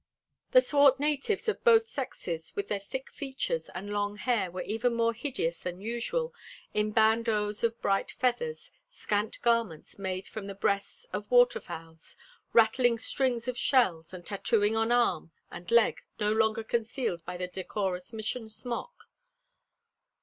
The swart natives of both sexes with their thick features and long hair were even more hideous than usual in bandeaux of bright feathers, scant garments made from the breasts of water fowls, rattling strings of shells, and tattooing on arm and leg no longer concealed by the decorous Mission smock.